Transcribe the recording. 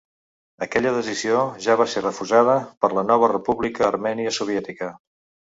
Aquella decisió ja va ser refusada per la nova república armènia soviètica.